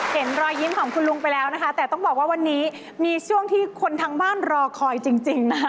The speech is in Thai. เห็นรอยยิ้มของคุณลุงไปแล้วนะคะแต่ต้องบอกว่าวันนี้มีช่วงที่คนทางบ้านรอคอยจริงนะคะ